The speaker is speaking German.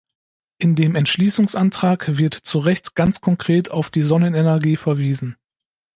In dem Entschließungsantrag wird zu Recht ganz konkret auf die Sonnenenergie verwiesen.